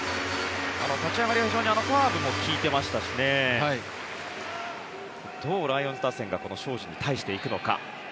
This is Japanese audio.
立ち上がり、非常にカーブも利いていましたしどうライオンズ打線が荘司に対して、いくのか。